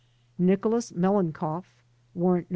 Nicholas MelnicofE (Warrant No.